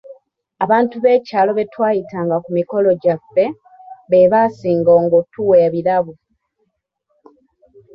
Abantu b’ekyalo be twayitanga ku mikolo gyaffe, be baasinganga okutuwa ebirabo.